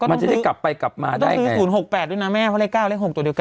มันจะได้กลับไปกลับมาได้ไงต้องซื้อศูนย์หกแปดด้วยนะแม่เพราะเลขเก้าเลขหกตัวเดียวกัน